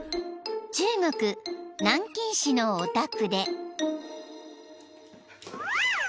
［南京市のお宅で］